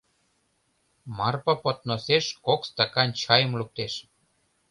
Марпа подносеш кок стакан чайым луктеш.